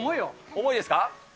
重いですか？